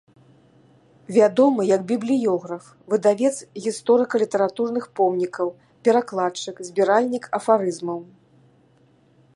Вядомы як бібліёграф, выдавец гісторыка-літаратурных помнікаў, перакладчык, збіральнік афарызмаў.